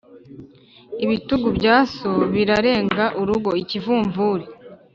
Ibitugu bya so birarenga urugo-Ikivumvuri.